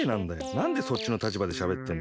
なんでそっちのたちばでしゃべってんの。